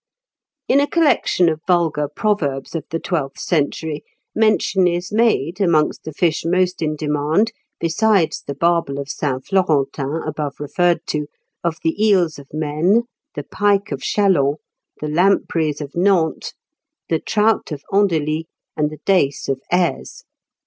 ] In a collection of vulgar proverbs of the twelfth century mention is made, amongst the fish most in demand, besides the barbel of Saint Florentin above referred to, of the eels of Maine, the pike of Chalons, the lampreys of Nantes, the trout of Andeli, and the dace of Aise.